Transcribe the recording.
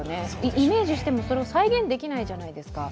イメージしても、それを再現できないじゃないですか。